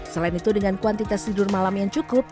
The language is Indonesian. selain itu dengan kuantitas tidur malam yang cukup